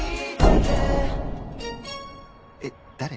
えっ？誰？